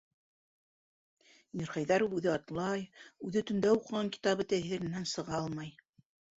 Мирхәйҙәров үҙе атлай, үҙе төндә уҡыған китабы тәьҫиренән сыға алмай.